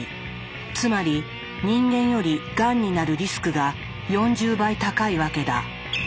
つまり人間よりがんになるリスクが４０倍高いわけだ。